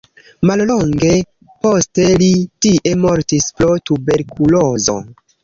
Mallonge poste li tie mortis pro tuberkulozo.